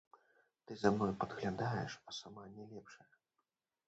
Ты за мной падглядаеш, а сама не лепшая.